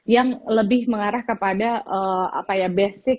yang lebih mengarah kepada apa ya base parenting